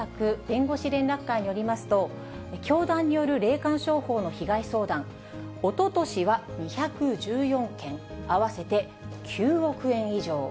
弁護士連絡会によりますと、教団による霊感商法の被害相談、おととしは２１４件、合わせて９億円以上。